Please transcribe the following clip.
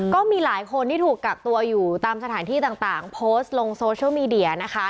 ก็มีหลายคนที่ถูกกักตัวอยู่ตามสถานที่ต่างโพสต์ลงโซเชียลมีเดียนะคะ